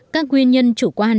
các nguyên nhân chủ quan